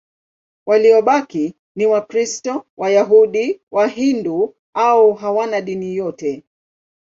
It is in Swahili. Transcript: Waliobaki ni Wakristo, Wayahudi, Wahindu au hawana dini yote.